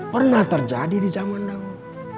pernah terjadi di zaman now